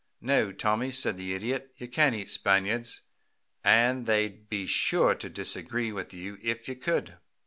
"No, Tommy," said the Idiot, "you can't eat Spaniards, and they'd be sure to disagree with you if you could."